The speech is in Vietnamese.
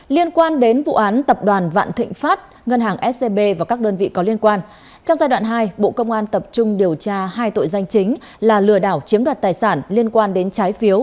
liên quan đến vụ án tập đoàn vạn thịnh pháp ngân hàng scb và các đơn vị có liên quan trong giai đoạn hai bộ công an tập trung điều tra hai tội danh chính là lừa đảo chiếm đoạt tài sản liên quan đến trái phiếu